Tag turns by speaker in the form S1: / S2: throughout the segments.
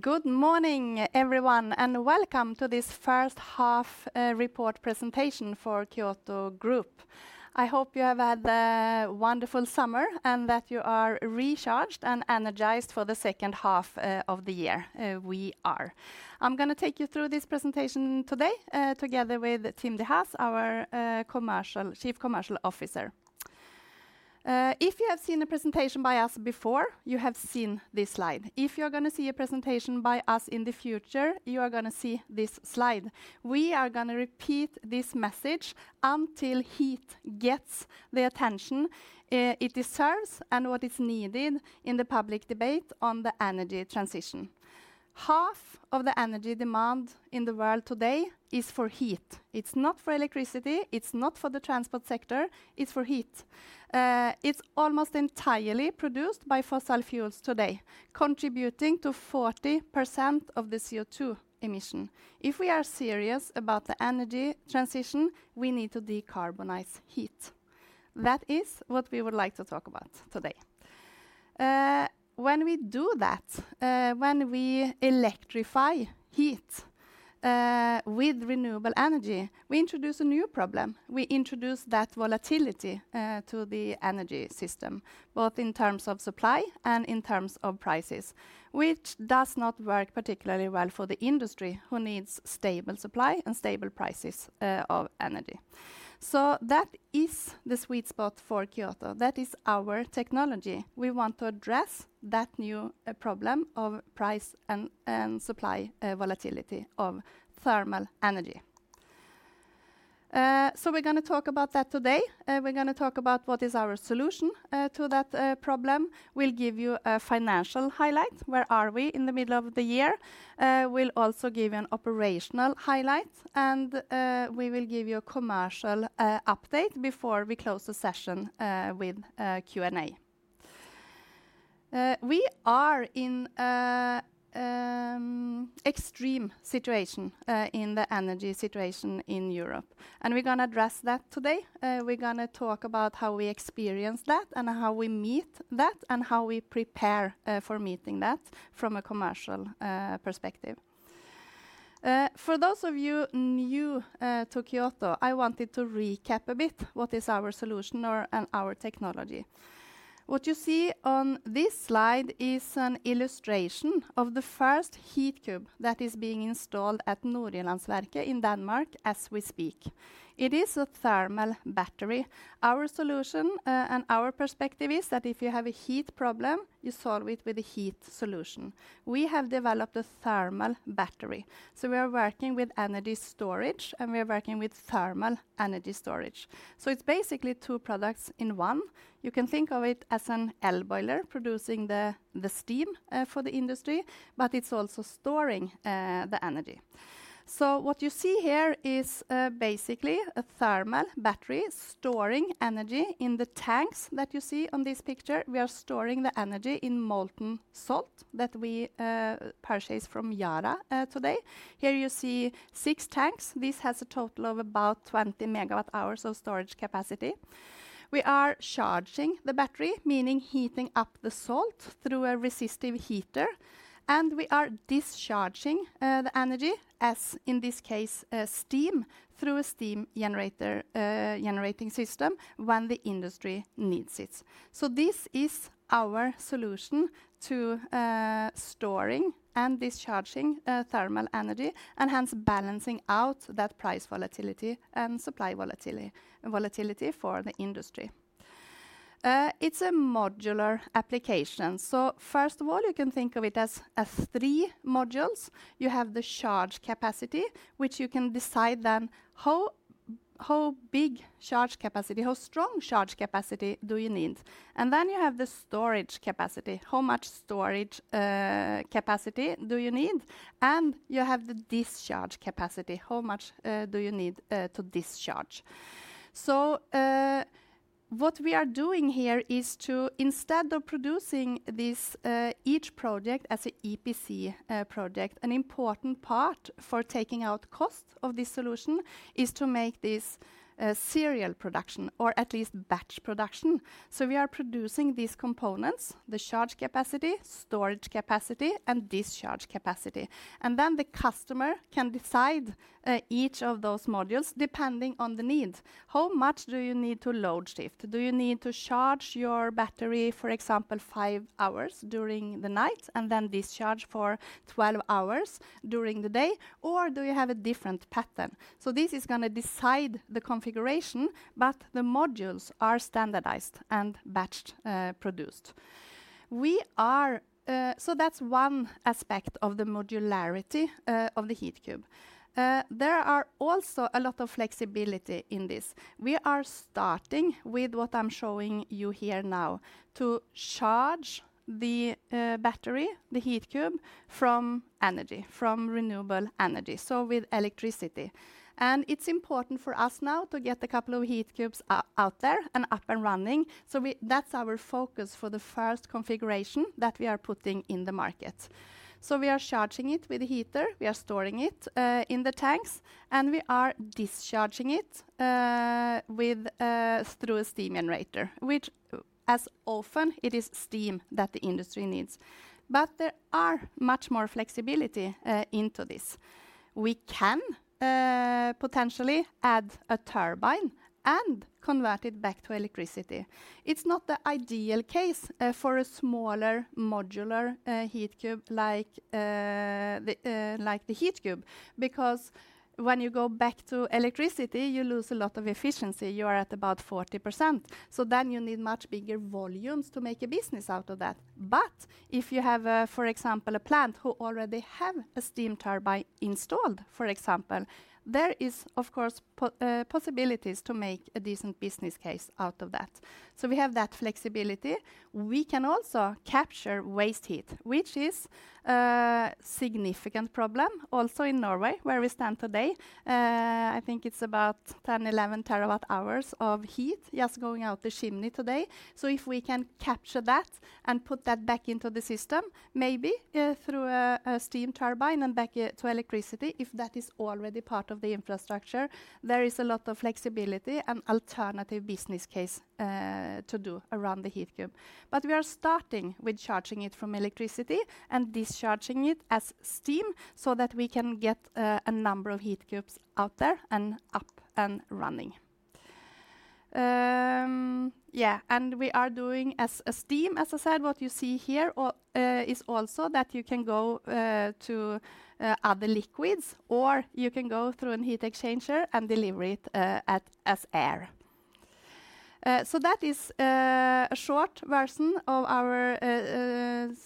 S1: Good morning, everyone, and welcome to this first half report presentation for Kyoto Group. I hope you have had a wonderful summer and that you are recharged and energized for the second half of the year. We are. I'm gonna take you through this presentation today, together with Tim de Haas, our Chief Commercial Officer. If you have seen a presentation by us before, you have seen this slide. If you're gonna see a presentation by us in the future, you are gonna see this slide. We are gonna repeat this message until heat gets the attention it deserves and what is needed in the public debate on the energy transition. Half of the energy demand in the world today is for heat. It's not for electricity, it's not for the transport sector, it's for heat. It's almost entirely produced by fossil fuels today, contributing to 40% of the CO2 emission. If we are serious about the energy transition, we need to decarbonize heat. That is what we would like to talk about today. When we do that, when we electrify heat with renewable energy, we introduce a new problem. We introduce that volatility to the energy system, both in terms of supply and in terms of prices, which does not work particularly well for the industry who needs stable supply and stable prices of energy. That is the sweet spot for Kyoto. That is our technology. We want to address that new problem of price and supply volatility of thermal energy. We're gonna talk about that today. We're gonna talk about what is our solution to that problem. We'll give you a financial highlight. Where are we in the middle of the year? We'll also give you an operational highlight and we will give you a commercial update before we close the session with Q&A. We are in an extreme situation in the energy situation in Europe, and we're gonna address that today. We're gonna talk about how we experience that and how we meet that and how we prepare for meeting that from a commercial perspective. For those of you new to Kyoto, I wanted to recap a bit what is our solution and our technology. What you see on this slide is an illustration of the first Heatcube that is being installed at Nordjyllandsværket in Denmark as we speak. It is a thermal battery. Our solution and our perspective is that if you have a heat problem, you solve it with a heat solution. We have developed a thermal battery, so we are working with energy storage, and we are working with thermal energy storage. It's basically two products in one. You can think of it as an electric boiler producing the steam for the industry, but it's also storing the energy. What you see here is basically a thermal battery storing energy in the tanks that you see on this picture. We are storing the energy in molten salt that we purchase from Yara today. Here you see six tanks. This has a total of about 20 MWh of storage capacity. We are charging the battery, meaning heating up the salt through a resistive heater, and we are discharging the energy, as in this case, steam through a steam generator, generating system when the industry needs it. This is our solution to storing and discharging thermal energy and hence balancing out that price volatility and supply volatility for the industry. It's a modular application. First of all, you can think of it as three modules. You have the charge capacity, which you can decide then how big charge capacity, how strong charge capacity do you need. And then you have the storage capacity. How much storage capacity do you need? And you have the discharge capacity. How much do you need to discharge? What we are doing here is, instead of producing this each project as an EPC project, an important part for taking out cost of this solution is to make this serial production or at least batch production. We are producing these components, the charge capacity, storage capacity, and discharge capacity. Then the customer can decide each of those modules depending on the needs. How much do you need to load shift? Do you need to charge your battery, for example, five hours during the night and then discharge for 12 hours during the day? Or do you have a different pattern? This is gonna decide the configuration, but the modules are standardized and batched produced. That's one aspect of the modularity of the Heatcube. There are also a lot of flexibility in this. We are starting with what I'm showing you here now, to charge the battery, the Heatcube, from energy, from renewable energy, so with electricity. It's important for us now to get a couple of Heatcubes out there and up and running. That's our focus for the first configuration that we are putting in the market. We are charging it with a heater, we are storing it in the tanks, and we are discharging it through a steam generator, which as often it is steam that the industry needs. There are much more flexibility into this. We can potentially add a turbine and convert it back to electricity. It's not the ideal case for a smaller modular Heatcube like the Heatcube, because when you go back to electricity, you lose a lot of efficiency. You are at about 40%, so then you need much bigger volumes to make a business out of that. If you have, for example, a plant who already have a steam turbine installed, for example, there is of course possibilities to make a decent business case out of that. We have that flexibility. We can also capture waste heat, which is significant problem also in Norway, where we stand today. I think it's about 10-11 TWh of heat just going out the chimney today. If we can capture that and put that back into the system, maybe, through a steam turbine and back to electricity, if that is already part of the infrastructure, there is a lot of flexibility and alternative business case to do around the Heatcube. We are starting with charging it from electricity and discharging it as steam so that we can get a number of Heatcubes out there and up and running. We are doing as steam, as I said, what you see here is also that you can go to other liquids, or you can go through a heat exchanger and deliver it as air. That is a short version of our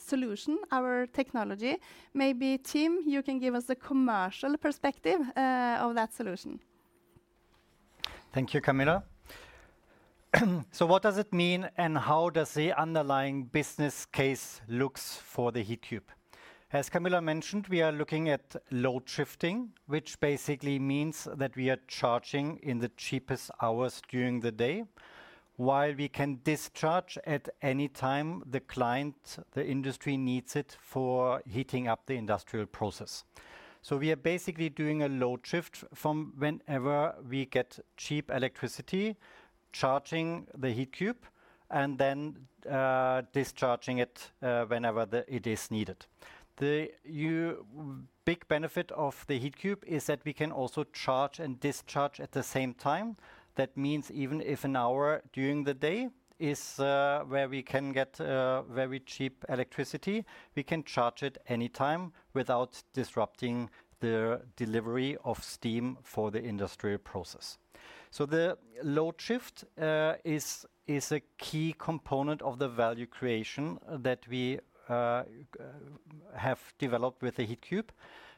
S1: solution, our technology. Maybe, Tim, you can give us the commercial perspective of that solution.
S2: Thank you, Camilla. What does it mean and how does the underlying business case looks for the Heatcube? As Camilla mentioned, we are looking at load shifting, which basically means that we are charging in the cheapest hours during the day, while we can discharge at any time the client, the industry needs it for heating up the industrial process. We are basically doing a load shift from whenever we get cheap electricity, charging the Heatcube, and then discharging it whenever it is needed. The big benefit of the Heatcube is that we can also charge and discharge at the same time. That means even if an hour during the day is where we can get very cheap electricity, we can charge it anytime without disrupting the delivery of steam for the industrial process. The load shift is a key component of the value creation that we have developed with the Heatcube.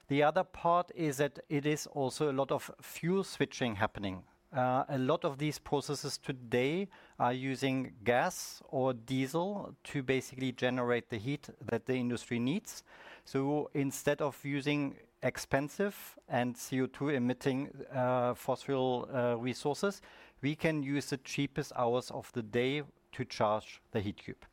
S2: The other part is that it is also a lot of fuel switching happening. A lot of these processes today are using gas or diesel to basically generate the heat that the industry needs. Instead of using expensive and CO₂-emitting fossil resources, we can use the cheapest hours of the day to charge the Heatcube. The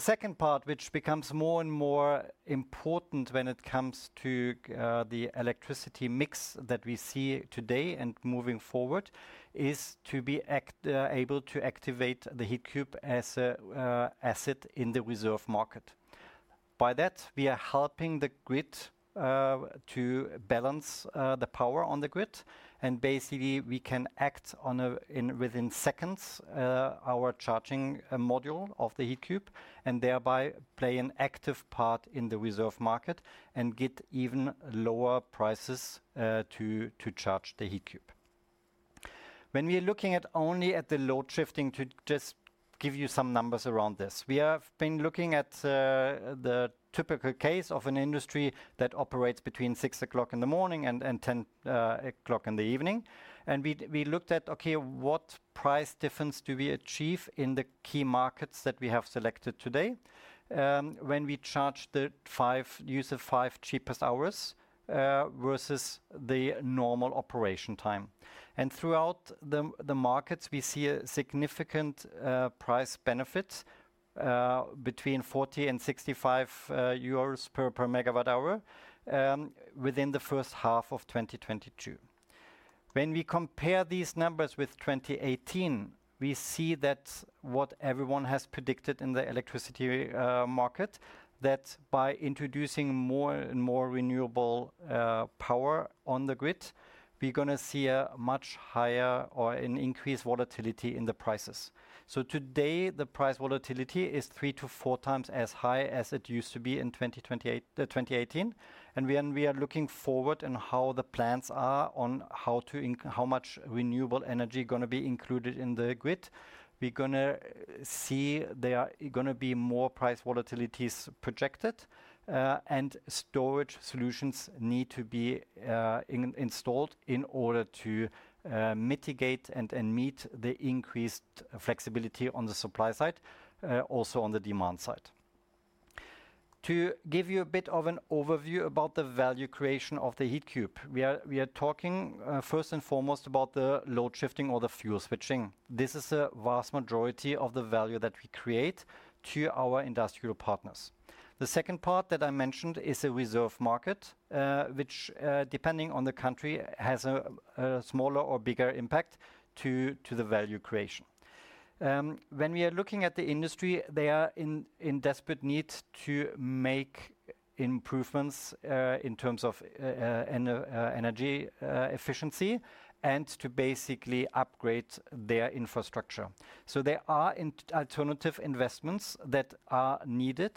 S2: second part, which becomes more and more important when it comes to the electricity mix that we see today and moving forward, is to be able to activate the Heatcube as a asset in the reserve market. By that, we are helping the grid to balance the power on the grid, and basically, we can act within seconds our charging module of the Heatcube and thereby play an active part in the reserve market and get even lower prices to charge the Heatcube. When we are looking only at load shifting, to just give you some numbers around this, we have been looking at the typical case of an industry that operates between 6:00 A.M. and ten o'clock in the evening, and we looked at, okay, what price difference do we achieve in the key markets that we have selected today, when we use the five cheapest hours versus the normal operation time. Throughout the markets, we see a significant price benefit between 40-65 euros per MWh within the first half of 2022. When we compare these numbers with 2018, we see that what everyone has predicted in the electricity market, that by introducing more and more renewable power on the grid, we're gonna see a much higher or an increased volatility in the prices. Today, the price volatility is three-four times as high as it used to be in 2018. When we are looking forward in how the plans are on how much renewable energy gonna be included in the grid, we're gonna see there are gonna be more price volatilities projected, and storage solutions need to be installed in order to mitigate and meet the increased flexibility on the supply side, also on the demand side. To give you a bit of an overview about the value creation of the Heatcube. We are talking first and foremost about the load shifting or the fuel switching. This is a vast majority of the value that we create to our industrial partners. The second part that I mentioned is a reserve market, which depending on the country has a smaller or bigger impact to the value creation. When we are looking at the industry, they are in desperate need to make improvements in terms of energy efficiency and to basically upgrade their infrastructure. There are alternative investments that are needed.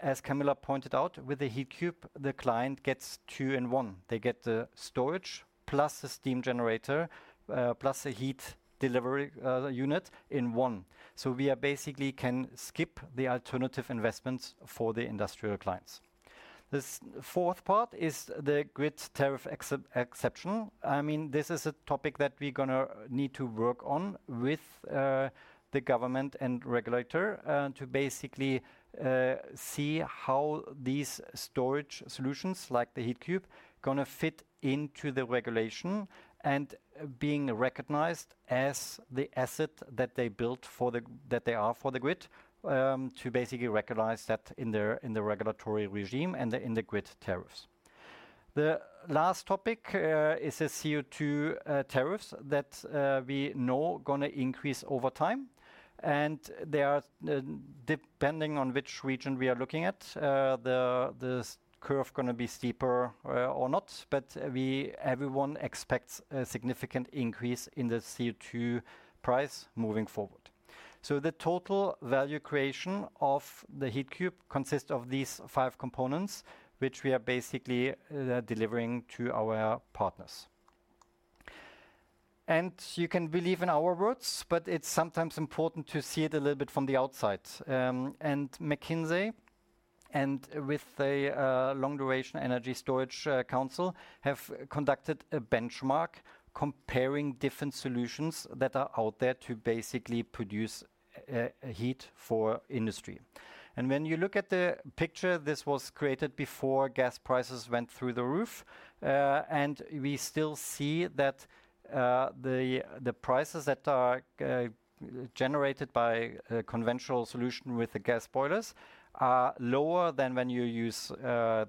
S2: As Camilla pointed out, with the Heatcube, the client gets two in one. They get the storage, plus the steam generator, plus the heat delivery unit in one. We are basically can skip the alternative investments for the industrial clients. This fourth part is the grid tariff exception. I mean, this is a topic that we're gonna need to work on with the government and regulator to basically see how these storage solutions, like the Heatcube, gonna fit into the regulation and being recognized as the asset that they built for the. That they are for the grid, to basically recognize that in the regulatory regime and the grid tariffs. The last topic is the CO2 tariffs that we know gonna increase over time, and they are depending on which region we are looking at. This curve gonna be steeper or not, but everyone expects a significant increase in the CO2 price moving forward. The total value creation of the Heatcube consists of these five components, which we are basically delivering to our partners. You can believe in our words, but it's sometimes important to see it a little bit from the outside. McKinsey & Company, with the Long Duration Energy Storage Council, have conducted a benchmark comparing different solutions that are out there to basically produce heat for industry. When you look at the picture, this was created before gas prices went through the roof, and we still see that the prices that are generated by a conventional solution with the gas boilers are lower than when you use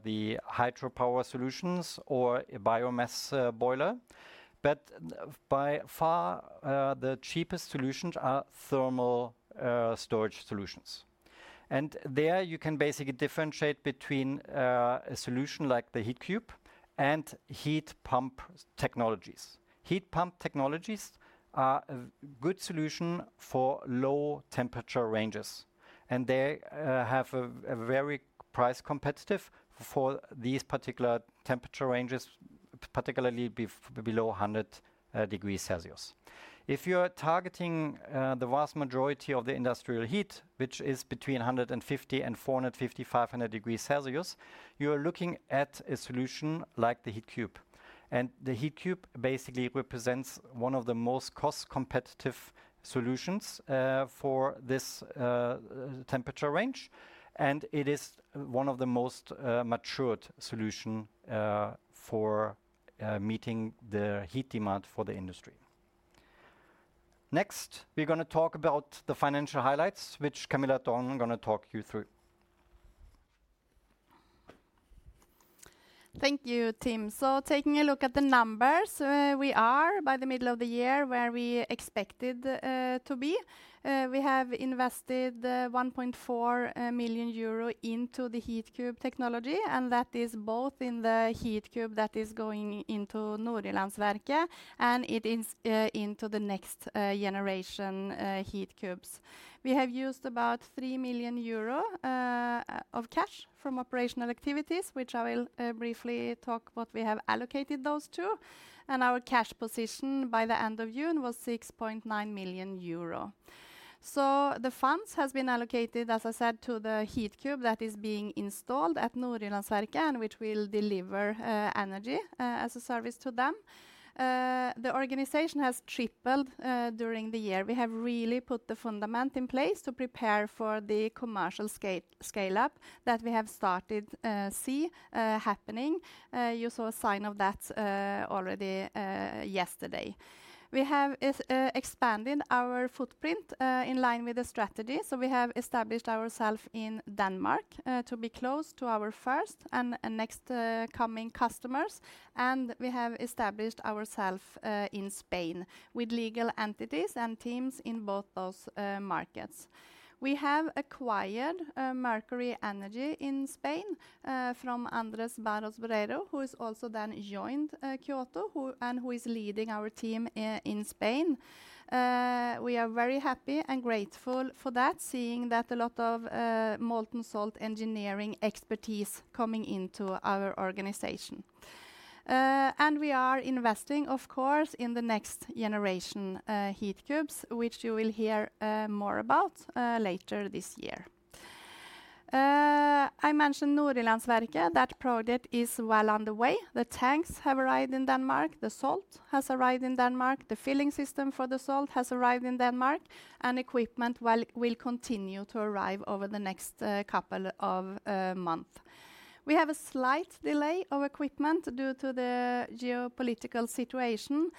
S2: the hydropower solutions or biomass boiler. By far, the cheapest solutions are thermal storage solutions. There you can basically differentiate between a solution like the Heatcube and heat pump technologies. Heat pump technologies are a good solution for low temperature ranges, and they have a very price competitive for these particular temperature ranges, particularly below 100 degrees Celsius. If you are targeting the vast majority of the industrial heat, which is between 150 and 450-500 degrees Celsius, you are looking at a solution like the Heatcube. The Heatcube basically represents one of the most cost-competitive solutions for this temperature range, and it is one of the most matured solution for meeting the heat demand for the industry. Next, we're gonna talk about the financial highlights, which Camilla Nilsson gonna talk you through.
S1: Thank you, Tim. Taking a look at the numbers, we are by the middle of the year where we expected to be. We have invested 1.4 million euro into the Heatcube technology, and that is both in the Heatcube that is going into Nordjyllandsværket and it is into the next generation Heatcubes. We have used about 3 million euro of cash from operational activities, which I will briefly talk what we have allocated those to, and our cash position by the end of June was 6.9 million euro. The funds has been allocated, as I said, to the Heatcube that is being installed at Nordjyllandsværket and which will deliver energy as a service to them. The organization has tripled during the year. We have really put the foundation in place to prepare for the commercial scale-up that we have started, happening. You saw a sign of that already yesterday. We have expanded our footprint in line with the strategy, so we have established ourselves in Denmark to be close to our first and next coming customers. We have established ourselves in Spain with legal entities and teams in both those markets. We have acquired Mercury Energy in Spain from Andrés Barros Borrero, who has also then joined Kyoto, who is leading our team in Spain. We are very happy and grateful for that, seeing that a lot of molten salt engineering expertise coming into our organization. We are investing, of course, in the next generation Heatcube, which you will hear more about later this year. I mentioned Nordjyllandsværket, that project is well underway. The tanks have arrived in Denmark. The salt has arrived in Denmark. The filling system for the salt has arrived in Denmark. Equipment will continue to arrive over the next couple of month. We have a slight delay of equipment due to the geopolitical situation,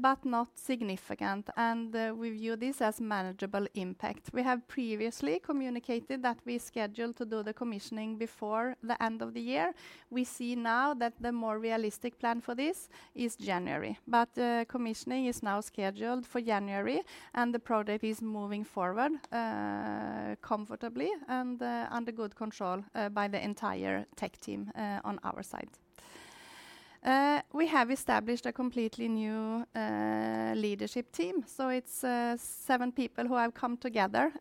S1: but not significant, and we view this as manageable impact. We have previously communicated that we scheduled to do the commissioning before the end of the year. We see now that the more realistic plan for this is January. Commissioning is now scheduled for January and the project is moving forward, comfortably and, under good control, by the entire tech team, on our side. We have established a completely new, leadership team, so it's seven people who have come together,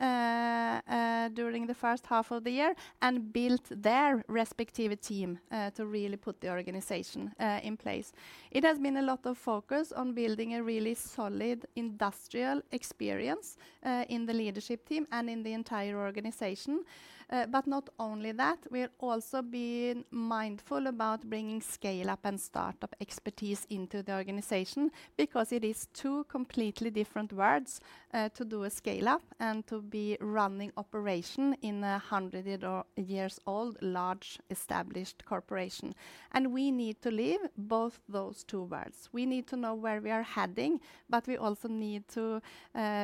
S1: during the first half of the year and built their respective team, to really put the organization, in place. It has been a lot of focus on building a really solid industrial experience, in the leadership team and in the entire organization. But not only that, we're also being mindful about bringing scale-up and start-up expertise into the organization because it is two completely different worlds, to do a scale-up and to be running operation in a hundred-year-old, large established corporation. We need to live both those two worlds. We need to know where we are heading, but we also need to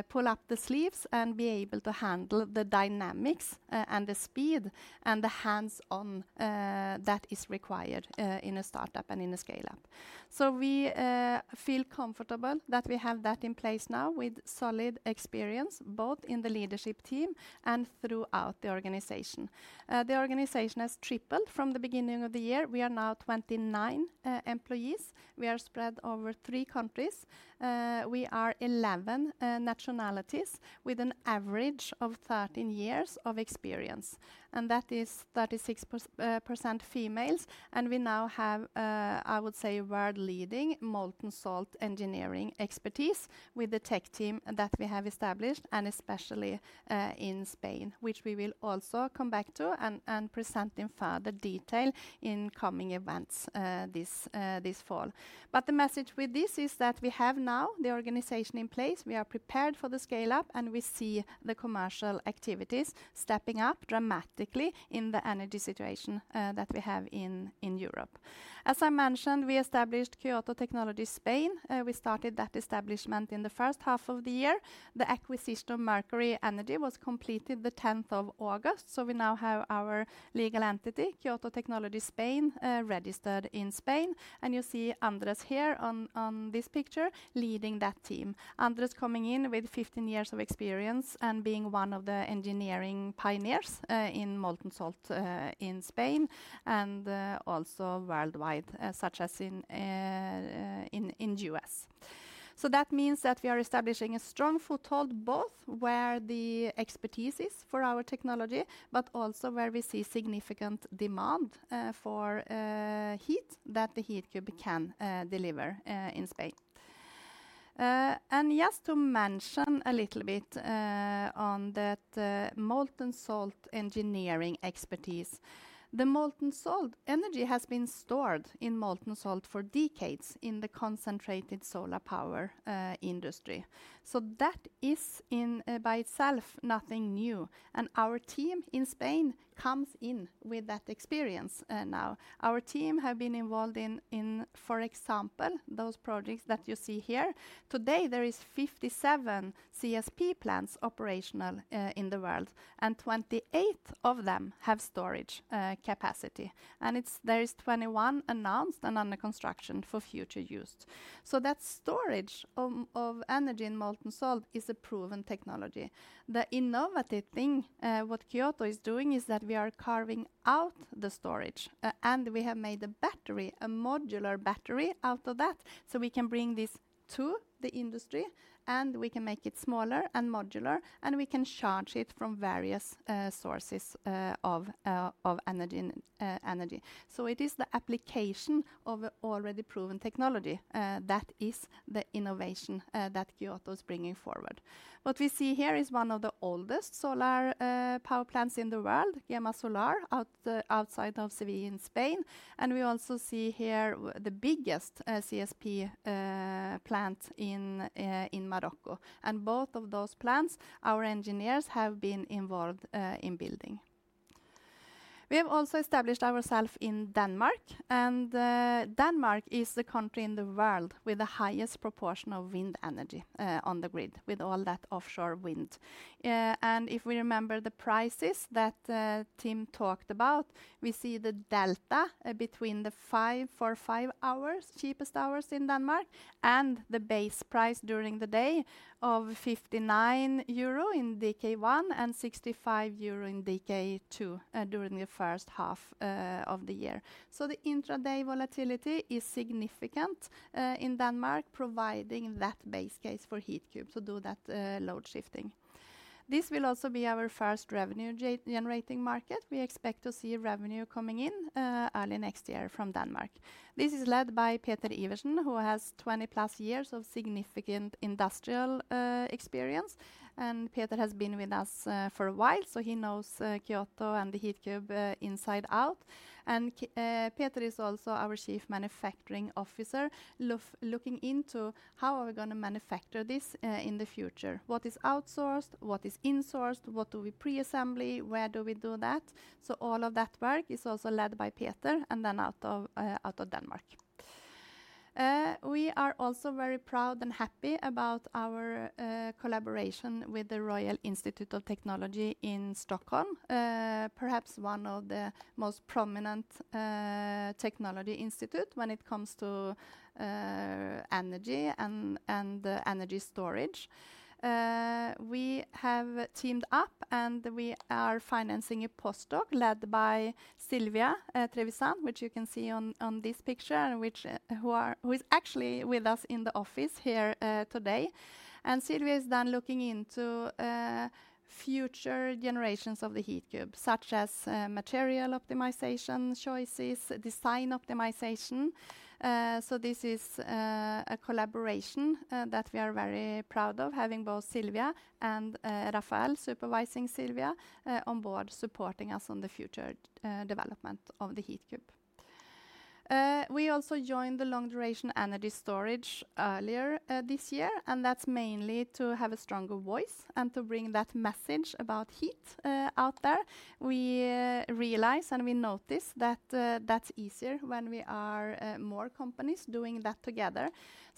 S1: pull up the sleeves and be able to handle the dynamics, and the speed and the hands-on, that is required in a start-up and in a scale-up. We feel comfortable that we have that in place now with solid experience, both in the leadership team and throughout the organization. The organization has tripled from the beginning of the year. We are now 29 employees. We are spread over three countries. We are 11 nationalities with an average of 13 years of experience, and that is 36% females. We now have, I would say, world-leading molten salt engineering expertise with the tech team that we have established and especially in Spain, which we will also come back to and present in further detail in coming events this fall. The message with this is that we have now the organization in place, we are prepared for the scale-up, and we see the commercial activities stepping up dramatically in the energy situation that we have in Europe. As I mentioned, we established Kyoto Technology Spain. We started that establishment in the first half of the year. The acquisition of Mercury Energy was completed the tenth of August, so we now have our legal entity, Kyoto Technology Spain, registered in Spain. You see Andrés here on this picture leading that team. Andrés coming in with 15 years of experience and being one of the engineering pioneers in molten salt in Spain and also worldwide such as in U.S. That means that we are establishing a strong foothold both where the expertise is for our technology but also where we see significant demand for heat that the Heatcube can deliver in Spain. Just to mention a little bit on that molten salt engineering expertise. Energy has been stored in molten salt for decades in the concentrated solar power industry. That is by itself nothing new and our team in Spain comes in with that experience now. Our team have been involved in for example those projects that you see here. Today, there is 57 CSP plants operational in the world, and 28 of them have storage capacity. There is 21 announced and under construction for future use. That storage of energy in molten salt is a proven technology. The innovative thing what Kyoto is doing is that we are carving out the storage and we have made a battery, a modular battery out of that, so we can bring this to the industry, and we can make it smaller and modular, and we can charge it from various sources of energy. It is the application of an already proven technology that is the innovation that Kyoto is bringing forward. What we see here is one of the oldest solar power plants in the world, Gemasolar, outside of Seville in Spain. We also see here the biggest CSP plant in Morocco. Both of those plants, our engineers have been involved in building. We have also established ourselves in Denmark. Denmark is the country in the world with the highest proportion of wind energy on the grid, with all that offshore wind. If we remember the prices that Tim talked about, we see the delta between the four-five hours cheapest hours in Denmark and the base price during the day of 59 euro in DK1 and 65 euro in DK2 during the first half of the year. The intraday volatility is significant in Denmark, providing that base case for Heatcube to do that load shifting. This will also be our first revenue generating market. We expect to see revenue coming in early next year from Denmark. This is led by Peter Iversen, who has 20+ years of significant industrial experience. Peter has been with us for a while, so he knows Kyoto and the Heatcube inside out. Peter is also our Chief Manufacturing Manager, looking into how we are gonna manufacture this in the future. What is outsourced, what is insourced, what do we pre-assemble, where do we do that? All of that work is also led by Peter and then out of Denmark. We are also very proud and happy about our collaboration with the KTH Royal Institute of Technology in Stockholm. Perhaps one of the most prominent technology institute when it comes to energy and energy storage. We have teamed up, and we are financing a postdoc led by Silvia Trevisan, which you can see on this picture and which who is actually with us in the office here today. Silvia is then looking into future generations of the Heatcube, such as material optimization choices, design optimization. This is a collaboration that we are very proud of, having both Silvia and Rafael supervising Silvia on board, supporting us on the future development of the Heatcube. We also joined the Long Duration Energy Storage Council earlier this year, and that's mainly to have a stronger voice and to bring that message about heat out there. We realize, and we notice that that's easier when we are more companies doing that together.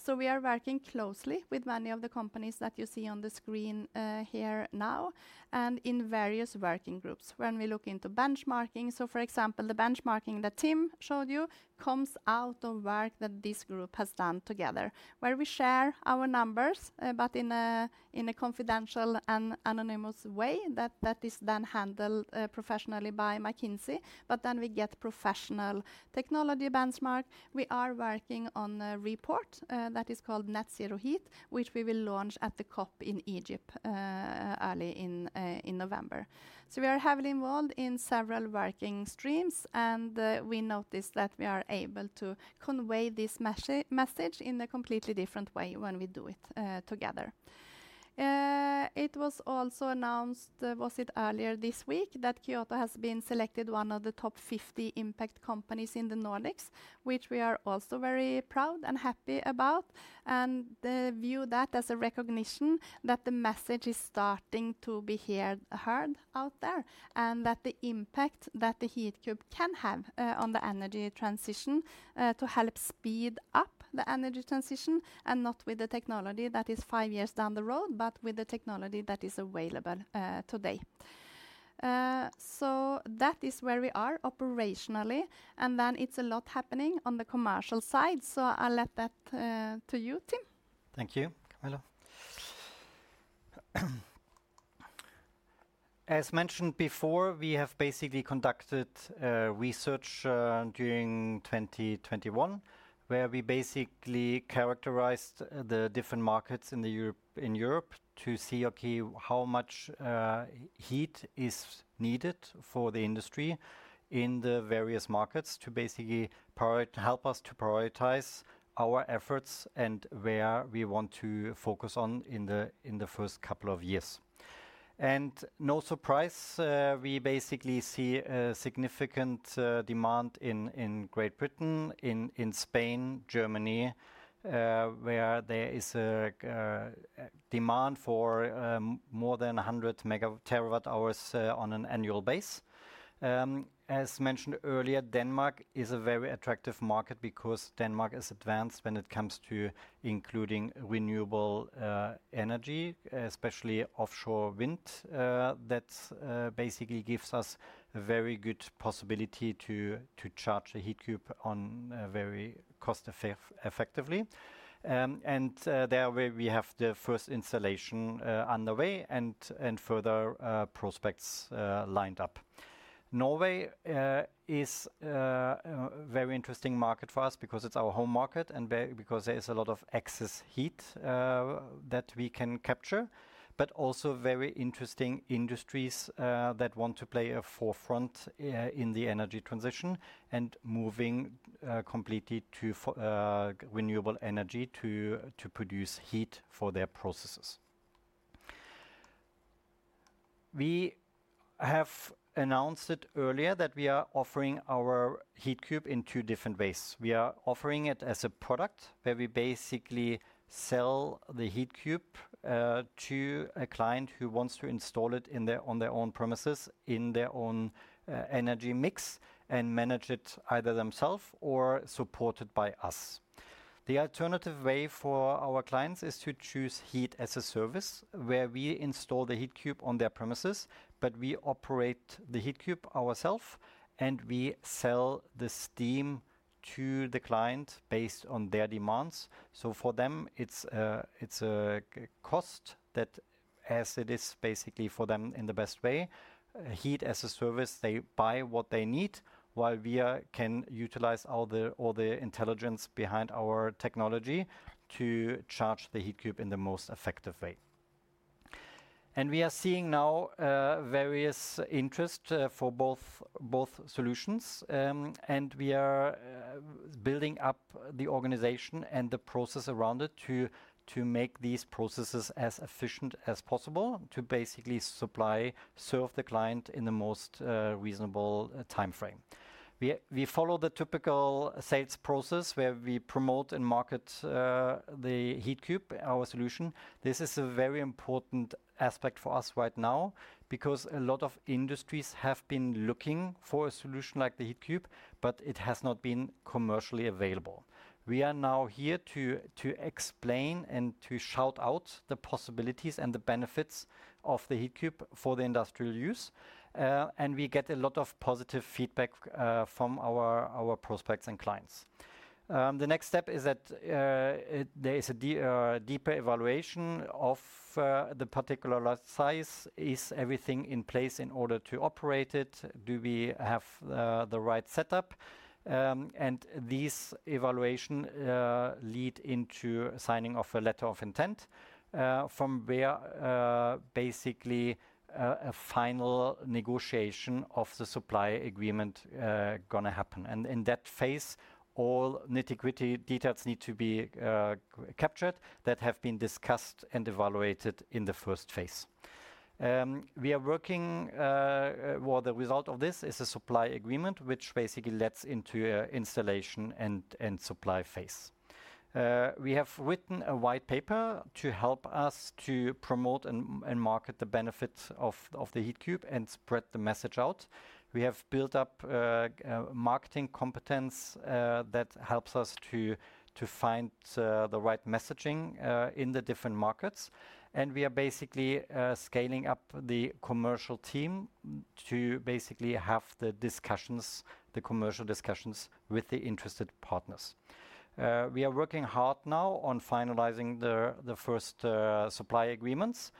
S1: We are working closely with many of the companies that you see on the screen, here now and in various working groups. When we look into benchmarking, for example, the benchmarking that Tim showed you comes out of work that this group has done together, where we share our numbers, but in a confidential and anonymous way that is then handled professionally by McKinsey. Then we get professional technology benchmark. We are working on a report that is called Net Zero Heat, which we will launch at the COP in Egypt early in November. We are heavily involved in several working streams, and we noticed that we are able to convey this message in a completely different way when we do it together. It was also announced, was it earlier this week that Kyoto has been selected one of the top 50 impact companies in the Nordics, which we are also very proud and happy about, and view that as a recognition that the message is starting to be heard out there, and that the impact that the Heatcube can have on the energy transition to help speed up the energy transition, and not with the technology that is five years down the road, but with the technology that is available today. That is where we are operationally, and then it's a lot happening on the commercial side. I'll leave that to you, Tim.
S2: Thank you, Camilla. As mentioned before, we have basically conducted research during 2021, where we basically characterized the different markets in Europe to see, okay, how much heat is needed for the industry in the various markets to help us to prioritize our efforts and where we want to focus on in the first couple of years. No surprise, we basically see a significant demand in Great Britain, in Spain, Germany, where there is a demand for more than 100 TWh on an annual basis. As mentioned earlier, Denmark is a very attractive market because Denmark is advanced when it comes to including renewable energy, especially offshore wind. That basically gives us very good possibility to charge a Heatcube very cost-effectively. There we have the first installation on the way and further prospects lined up. Norway is a very interesting market for us because it's our home market and because there is a lot of excess heat that we can capture, but also very interesting industries that want to play at the forefront in the energy transition and moving completely to renewable energy to produce heat for their processes. We have announced it earlier that we are offering our Heatcube in two different ways. We are offering it as a product where we basically sell the Heatcube to a client who wants to install it on their own premises, in their own energy mix and manage it either themselves or supported by us. The alternative way for our clients is to choose Heat as a Service where we install the Heatcube on their premises, but we operate the Heatcube ourselves, and we sell the steam to the client based on their demands. For them, it's a cost that as it is basically for them in the best way. Heat as a Service, they buy what they need while we can utilize all the intelligence behind our technology to charge the Heatcube in the most effective way. and we are building up the organization and the process around it to make these processes as efficient as possible to basically supply, serve the client in the most reasonable timeframe. We follow the typical sales process where we promote and market the Heatcube, our solution. This is a very important aspect for us right now because a lot of industries have been looking for a solution like the Heatcube, but it has not been commercially available. We are now here to explain and to shout out the possibilities and the benefits of the Heatcube for the industrial use, and we get a lot of positive feedback from our prospects and clients. The next step is that there is a deeper evaluation of the particular load size. Is everything in place in order to operate it? Do we have the right setup? These evaluations lead into signing of a letter of intent, from where basically a final negotiation of the supply agreement gonna happen. In that phase, all nitty-gritty details need to be captured that have been discussed and evaluated in the first phase. We are working, well, the result of this is a supply agreement, which basically leads into an installation and supply phase. We have written a white paper to help us to promote and market the benefits of the Heatcube and spread the message out. We have built up marketing competence that helps us to find the right messaging in the different markets. We are basically scaling up the commercial team to basically have the discussions, the commercial discussions with the interested partners. We are working hard now on finalizing the first supply agreements.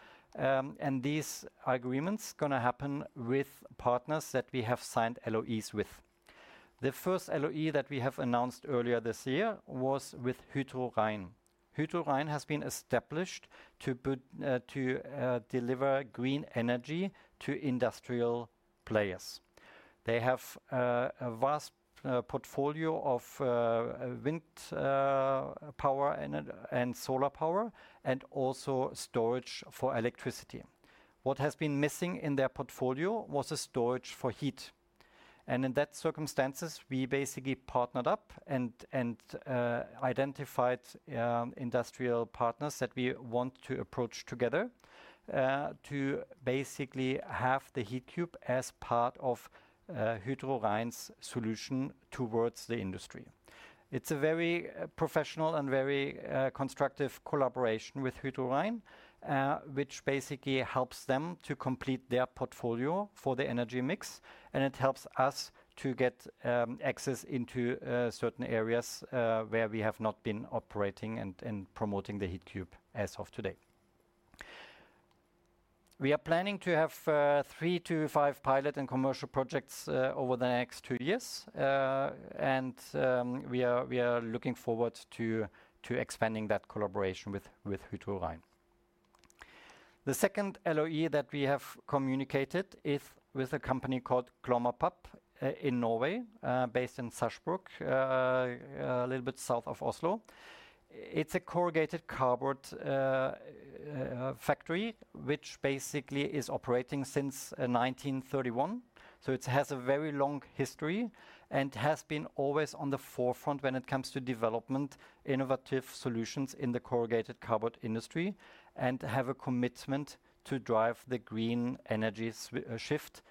S2: These agreements gonna happen with partners that we have signed LOIs with. The first LOI that we have announced earlier this year was with Hydro REIN. Hydro REIN has been established to deliver green energy to industrial players. They have a vast portfolio of wind power and solar power and also storage for electricity. What has been missing in their portfolio was a storage for heat. In that circumstances, we basically partnered up and identified industrial partners that we want to approach together to basically have the Heatcube as part of Hydro REIN's solution towards the industry. It's a very professional and very constructive collaboration with Hydro REIN, which basically helps them to complete their portfolio for the energy mix, and it helps us to get access into certain areas where we have not been operating and promoting the Heatcube as of today. We are planning to have three-five pilot and commercial projects over the next two years. We are looking forward to expanding that collaboration with Hydro REIN. The second LOI that we have communicated is with a company called Glomma Papp in Norway, based in Sarpsborg, a little bit south of Oslo. It's a corrugated cardboard factory, which basically is operating since 1931. It has a very long history and has been always on the forefront when it comes to development, innovative solutions in the corrugated cardboard industry and have a commitment to drive the green energy shift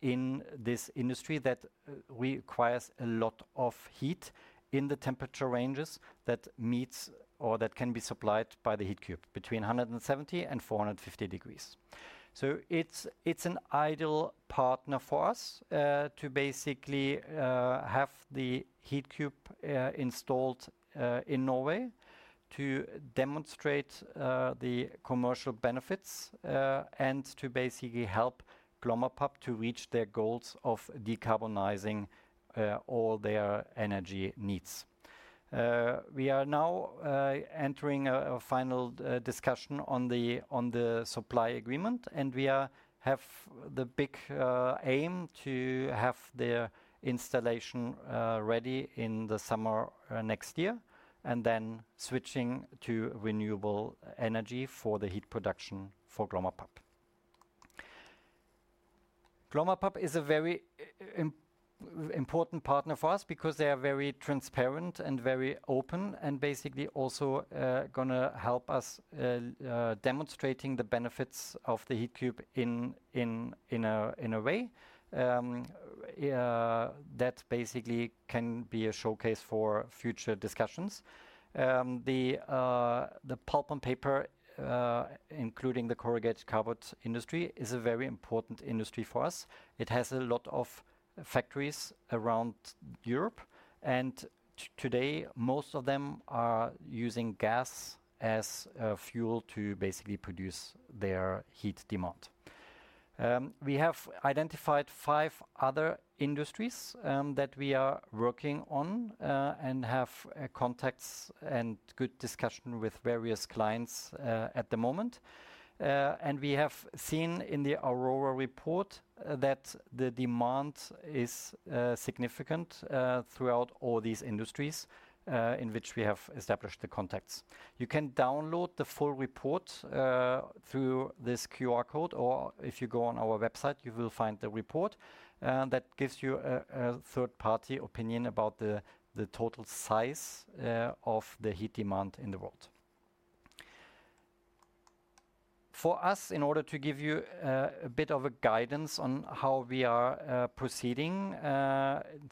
S2: in this industry that requires a lot of heat in the temperature ranges that meets or that can be supplied by the Heatcube between 170 and 450 degrees. It's an ideal partner for us to basically have the Heatcube installed in Norway to demonstrate the commercial benefits and to basically help Glomma Papp to reach their goals of decarbonizing all their energy needs. We are now entering a final discussion on the supply agreement, and we have the big aim to have their installation ready in the summer next year, and then switching to renewable energy for the heat production for Glomma Papp. Glomma Papp is a very important partner for us because they are very transparent and very open and basically also gonna help us demonstrating the benefits of the Heatcube in a way that basically can be a showcase for future discussions. The pulp and paper, including the corrugated cardboard industry, is a very important industry for us. It has a lot of factories around Europe, and today, most of them are using gas as a fuel to basically produce their heat demand. We have identified five other industries that we are working on and have contacts and good discussion with various clients at the moment. We have seen in the Aurora report that the demand is significant throughout all these industries in which we have established the contacts. You can download the full report through this QR code, or if you go on our website, you will find the report that gives you a third-party opinion about the total size of the heat demand in the world. For us, in order to give you a bit of a guidance on how we are proceeding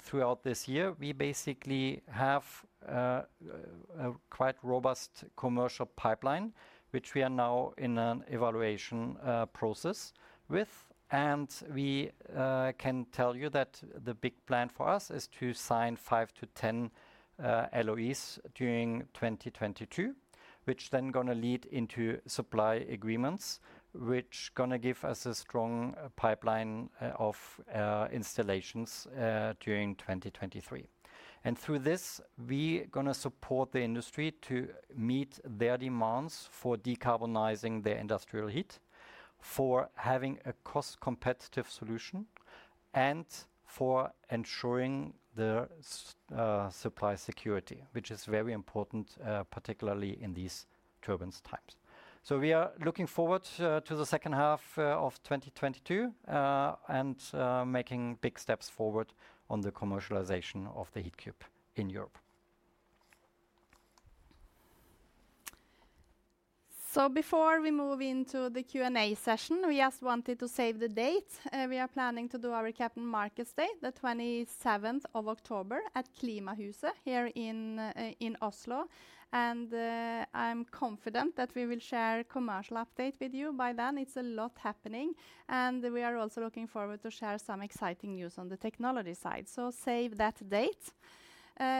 S2: throughout this year, we basically have a quite robust commercial pipeline, which we are now in an evaluation process with. We can tell you that the big plan for us is to sign five-10 LOIs during 2022, which then gonna lead into supply agreements, which gonna give us a strong pipeline of installations during 2023. Through this, we gonna support the industry to meet their demands for decarbonizing their industrial heat, for having a cost-competitive solution, and for ensuring their supply security, which is very important, particularly in these turbulent times. We are looking forward to the second half of 2022 and making big steps forward on the commercialization of the Heatcube in Europe.
S1: Before we move into the Q&A session, we just wanted to save the date. We are planning to do our Capital Markets Day, the twenty-seventh of October at Klimahuset here in Oslo. I'm confident that we will share commercial update with you by then. It's a lot happening, and we are also looking forward to share some exciting news on the technology side. Save that date.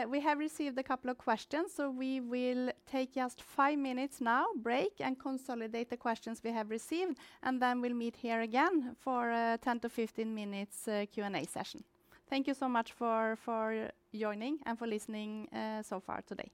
S1: We have received a couple of questions, so we will take just five minutes now, break and consolidate the questions we have received, and then we'll meet here again for a 10 to 15 minutes Q&A session. Thank you so much for joining and for listening so far today.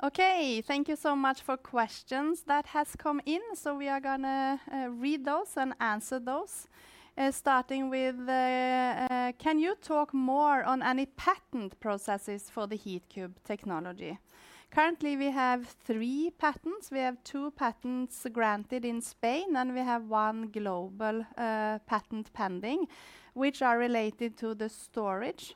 S1: Okay. Thank you so much for questions that has come in. We are gonna read those and answer those, starting with, "Can you talk more on any patent processes for the Heatcube technology?" Currently, we have three patents. We have two patents granted in Spain, and we have one global patent pending, which are related to the storage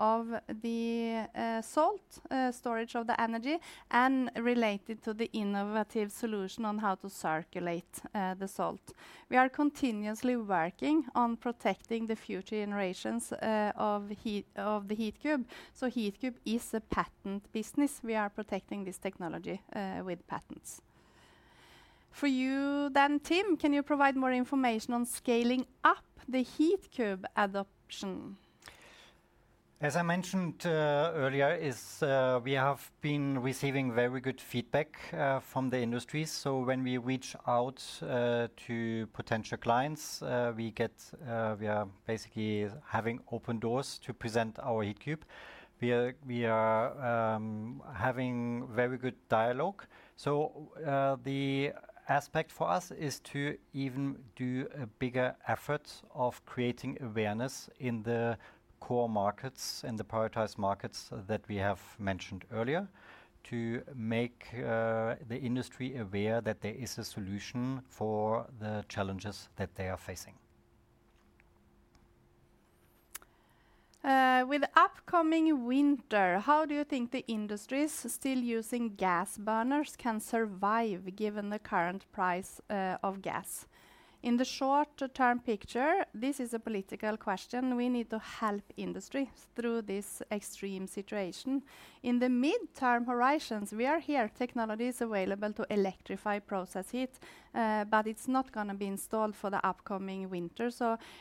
S1: of the salt storage of the energy, and related to the innovative solution on how to circulate the salt. We are continuously working on protecting the future generations of the Heatcube. Heatcube is a patent business. We are protecting this technology with patents. For you then, Tim, "Can you provide more information on scaling up the Heatcube adoption?
S2: As I mentioned earlier, we have been receiving very good feedback from the industry. When we reach out to potential clients, we are basically having open doors to present our Heatcube. We are having very good dialogue. The aspect for us is to even do a bigger effort of creating awareness in the core markets and the prioritized markets that we have mentioned earlier to make the industry aware that there is a solution for the challenges that they are facing.
S1: With upcoming winter, how do you think the industries still using gas burners can survive given the current price of gas?" In the short-term picture, this is a political question. We need to help industries through this extreme situation. In the midterm horizons, we are here. Technology is available to electrify process heat, but it's not gonna be installed for the upcoming winter.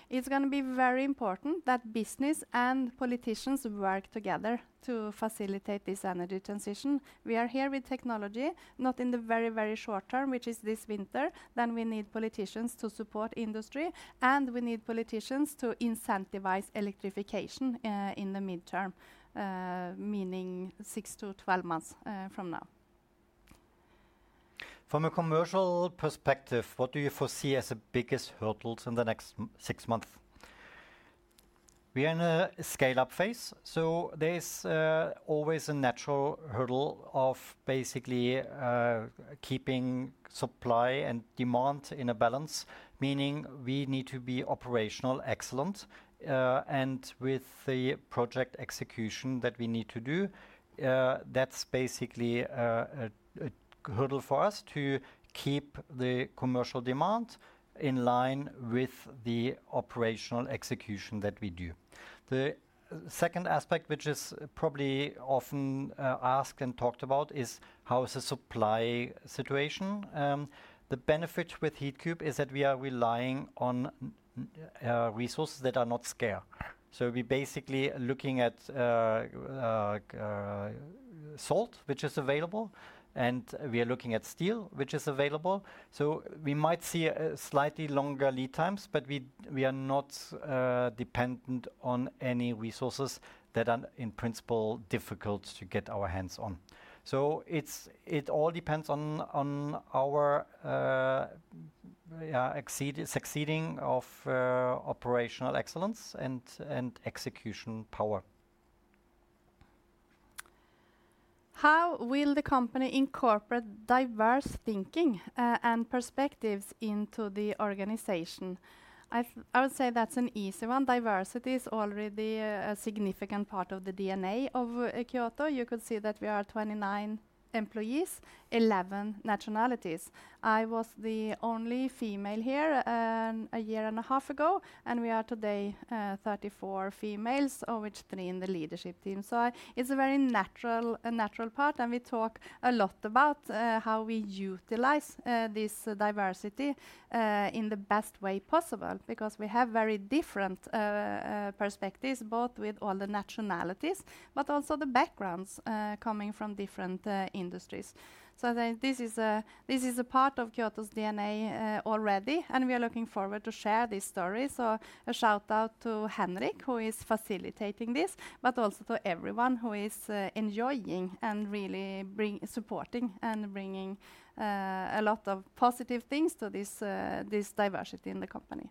S1: It's gonna be very important that business and politicians work together to facilitate this energy transition. We are here with technology, not in the very, very short term, which is this winter, then we need politicians to support industry, and we need politicians to incentivize electrification in the midterm, meaning six-12 months from now.
S2: From a commercial perspective, what do you foresee as the biggest hurdles in the next six months?" We are in a scale-up phase, so there is always a natural hurdle of basically keeping supply and demand in a balance, meaning we need to be operationally excellent and with the project execution that we need to do. That's basically a hurdle for us to keep the commercial demand in line with the operational execution that we do. The second aspect, which is probably often asked and talked about, is how is the supply situation. The benefit with Heatcube is that we are relying on resources that are not scarce. So we're basically looking at salt, which is available, and we are looking at steel, which is available. We might see slightly longer lead times, but we are not dependent on any resources that are, in principle, difficult to get our hands on. It all depends on our succeeding of operational excellence and execution power.
S1: How will the company incorporate diverse thinking and perspectives into the organization?" I would say that's an easy one. Diversity is already a significant part of the DNA of Kyoto. You could see that we are 29 employees, 11 nationalities. I was the only female here a year and a half ago, and we are today 34 females, of which three in the leadership team. It's a very natural part, and we talk a lot about how we utilize this diversity in the best way possible because we have very different perspectives, both with all the nationalities but also the backgrounds coming from different industries. This is a part of Kyoto's DNA already, and we are looking forward to share these stories. A shout-out to Henrik, who is facilitating this, but also to everyone who is enjoying and really supporting and bringing a lot of positive things to this diversity in the company.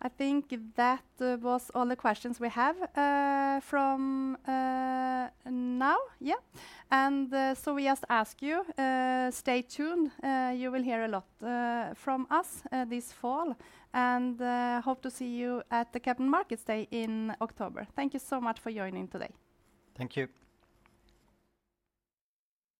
S1: I think that was all the questions we have from now. Yeah. We just ask you stay tuned. You will hear a lot from us this fall, and hope to see you at the Capital Markets Day in October. Thank you so much for joining today.
S2: Thank you.